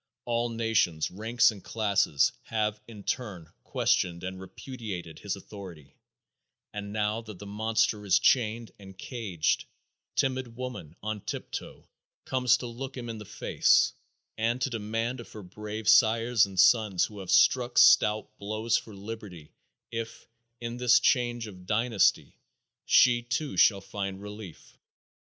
All nations, ranks and classes have, in turn, questioned and repudiated his authority; and now, that the monster is chained and caged, timid woman, on tiptoe, comes to look him in the face, and to demand of her brave sires and sons, who have struck stout blows for liberty, if, in this change of dynasty, she, too, shall find relief.